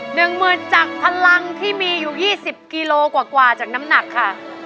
๑หมื่นจากพลังที่มีอยู่๒๐กิโลกว่ากว่าจากน้ำหนักค่ะ